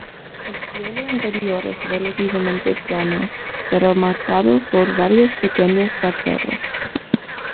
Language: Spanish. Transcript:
El suelo interior es relativamente plano, pero marcado por varios pequeños cráteres.